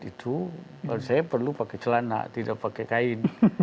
itu saya perlu pakai celana tidak pakai kain